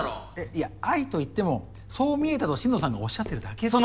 いや愛といってもそう見えたと心野さんがおっしゃってるだけで。